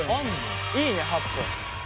いいね８分。